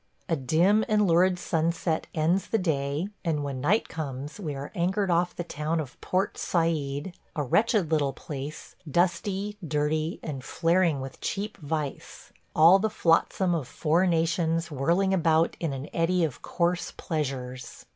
A dim and lurid sunset ends the day, and when night comes we are anchored off the town of Port Said – a wretched little place, dusty, dirty, and flaring with cheap vice – all the flotsam of four nations whirling about in an eddy of coarse pleasures.